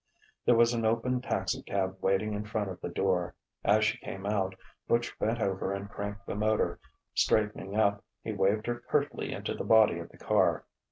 There was an open taxicab waiting in front of the door. As she came out, Butch bent over and cranked the motor. Straightening up, he waved her curtly into the body of the car.